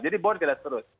jadi bor tidak terus